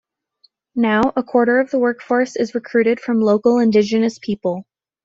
Now a quarter of the workforce is recruited from local indigenous people.